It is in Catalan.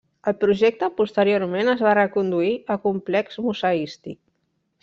El projecte posteriorment es va reconduir a complex museístic.